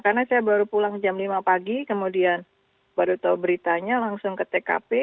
karena saya baru pulang jam lima pagi kemudian baru tahu beritanya langsung ke tkp